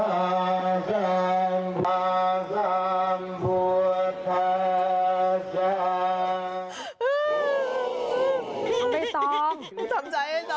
ไม่ต้องมีกังวลอะไรแล้วนะ